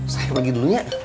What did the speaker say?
saya pergi dulu ya